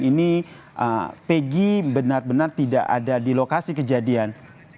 ataupun pada saat kejadian ini pegi benar benar tidak ada di lokasi kejadian